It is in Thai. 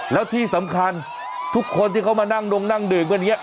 แล้วที่สำคัญทุกคนที่เขามานั่งดงนั่งดื่มกันอย่างนี้